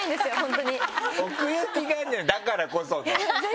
奥行きがあるじゃないだからこその。